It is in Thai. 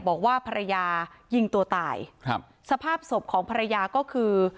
บอกว่าภรรยายิงตัวตายครับสภาพศพของภรรยาก็คือ